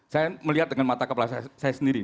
saya melihat dengan mata kepala saya sendiri